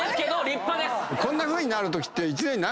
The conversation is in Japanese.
こんなふうになるときって。